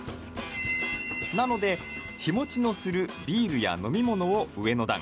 なので、日もちのするビールや飲み物を上の段。